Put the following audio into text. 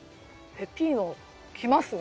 ペピーノきますね。